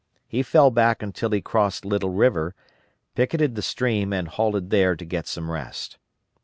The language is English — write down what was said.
He fell back until he crossed Little River, picketed the stream and halted there to get some rest.